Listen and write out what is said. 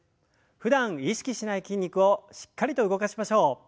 ふだん意識しない筋肉をしっかりと動かしましょう。